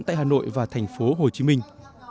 tại hà nội và thành phố hồ chí minh